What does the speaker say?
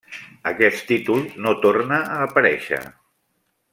Aquest títol no torna a aparèixer.